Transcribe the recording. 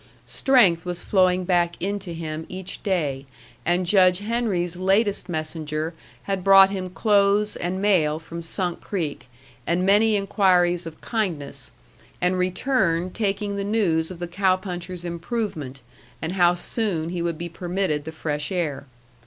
Strength was flowing back into him each day, and Judge Henry's latest messenger had brought him clothes and mail from Sunk Creek and many inquiries of kindness, and returned taking the news of the cow puncher's improvement, and how soon he would be permitted the fresh air.